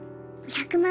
１００万